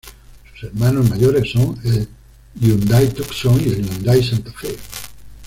Sus hermanos mayores son el Hyundai Tucson y el Hyundai Santa Fe.